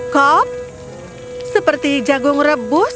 cob seperti jagung rebus